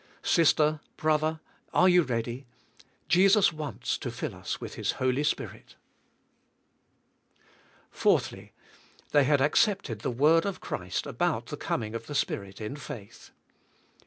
Sister, brother, are you ready? Jesus wants to fill us with His Holy Spirit. 4. T/iey had accepted the word of Christ about the coming of the Spirit^ in faith.